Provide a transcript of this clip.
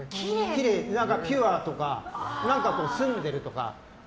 ピュアとか澄んでるとか。